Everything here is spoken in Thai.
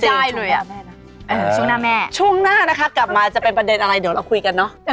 ได้เลยอ่ะแม่นะช่วงหน้าแม่ช่วงหน้านะคะกลับมาจะเป็นประเด็นอะไรเดี๋ยวเราคุยกันเนอะ